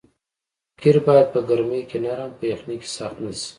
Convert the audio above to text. قیر باید په ګرمۍ کې نرم او په یخنۍ کې سخت نه شي